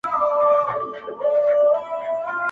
توري شپې سوې سپیني ورځي ښار سینګار سو-